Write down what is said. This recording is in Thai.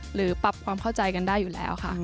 หรือปรับความเข้าใจกันได้อยู่แล้วค่ะ